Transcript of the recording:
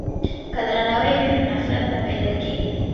که درناوی وي نو نفرت نه پیدا کیږي.